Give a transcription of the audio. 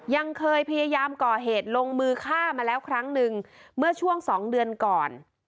ยังเคยพยายามก่อเหตุลงมือฆ่ามาแล้วครั้งหนึ่งเมื่อช่วงสองเดือนก่อน